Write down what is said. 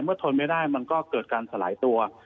ทนไม่ได้มันก็เกิดการสลายตัว